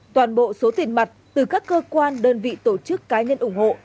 toàn bộ số tiền mặt từ các cơ quan đơn vị tổ chức cá nhân ủng hộ